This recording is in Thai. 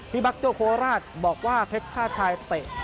พี่บัคโจโฮราชบอกว่าเพศชาตรชายเตะ